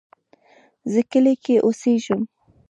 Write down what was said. زه کلی کې اوسیږم